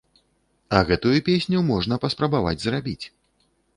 А гэтую песню можна паспрабаваць зрабіць!